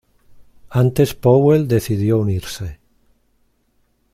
Antes Powell decidió unirse.